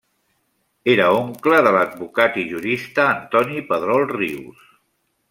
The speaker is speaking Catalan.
Era oncle de l'advocat i jurista Antoni Pedrol Rius.